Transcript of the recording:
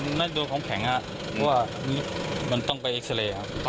คนี้โดนของแขกครับเพราะว่ามันต้องไปอีกซีเลย์ได้อีกครับ